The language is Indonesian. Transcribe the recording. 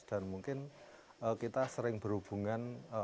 dan mungkin kita sering berhubungan